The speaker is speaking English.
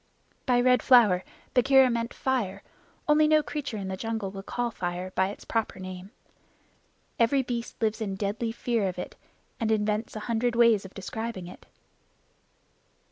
By Red Flower Bagheera meant fire, only no creature in the jungle will call fire by its proper name. Every beast lives in deadly fear of it, and invents a hundred ways of describing it.